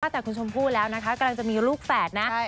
แต่คุณชมพู่แล้วนะคะกำลังจะมีลูกแฝดนะ